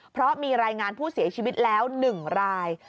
เพราะมีรายงานผู้เสียชีวิตแล้ว๑ราย